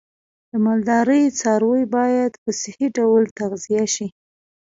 د مالدارۍ څاروی باید په صحی ډول تغذیه شي.